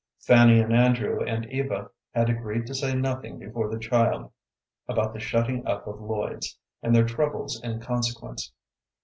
Fanny and Andrew and Eva had agreed to say nothing before the child about the shutting up of Lloyd's, and their troubles in consequence.